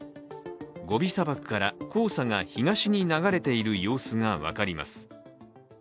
ゴビ砂漠から黄砂が東に流れている様子が分かります。